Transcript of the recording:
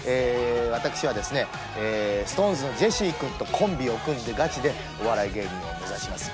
私はですねＳｉｘＴＯＮＥＳのジェシー君とコンビを組んでガチでお笑い芸人を目指します。